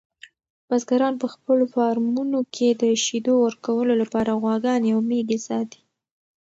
بزګران په خپلو فارمونو کې د شیدو ورکولو لپاره غواګانې او میږې ساتي.